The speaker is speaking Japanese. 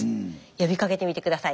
呼びかけてみて下さい。